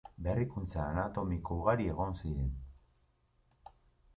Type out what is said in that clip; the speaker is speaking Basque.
Berrikuntza anatomiko ugari egon ziren.